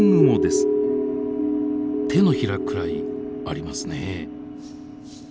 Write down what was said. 手のひらくらいありますね。